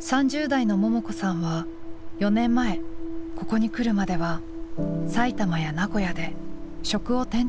３０代のももこさんは４年前ここに来るまでは埼玉や名古屋で職を転々としていました。